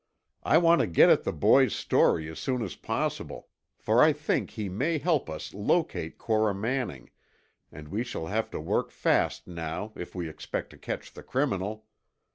I want to get at the boy's story as soon as possible, for I think he may help us locate Cora Manning, and we shall have to work fast now if we expect to catch the criminal.